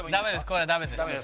これはダメです。